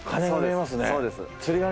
そうです。